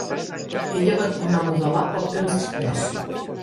Ella va tornar a modelar poc temps després.